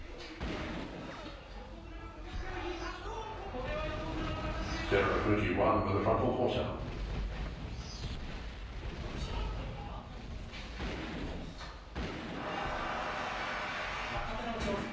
これは横綱の形です。